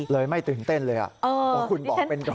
เลยไม่ตื่นเต้นเลยว่าคุณบอกเป็นกัน